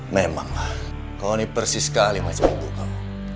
memanglah kau ini persis sekali macam ibu kau